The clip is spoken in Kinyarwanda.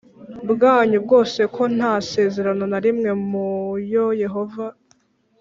Bwanyu bwose ko nta sezerano na rimwe mu yo yehova